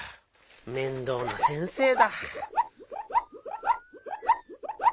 面倒な先生だ。